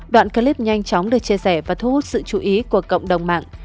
đoạn clip nhanh chóng được chia sẻ và thu hút sự chú ý của cộng đồng mạng